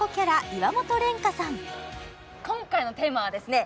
今回のテーマはですね